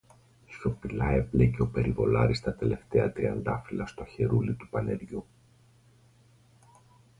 Σιωπηλά έπλεκε ο περιβολάρης τα τελευταία τριαντάφυλλα στο χερούλι του πανεριού